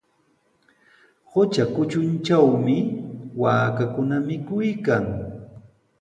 Qutra kutruntrawmi waakakuna mikuykan.